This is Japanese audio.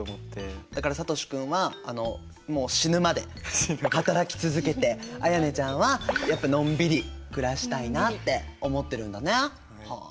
だからさとし君はもう死ぬまで働き続けて絢音ちゃんはやっぱのんびり暮らしたいなって思ってるんだね。